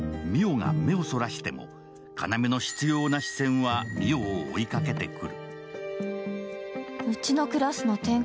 澪が目をそらしても、要の執ような視線は澪を追いかけてくる。